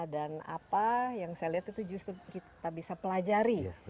dan apa yang saya lihat itu justru kita bisa pelajari